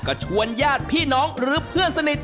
ก็ชวนญาติพี่น้องหรือเพื่อนสนิท